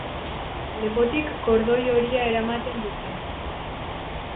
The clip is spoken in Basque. Lepotik kordoi horia eramaten dute.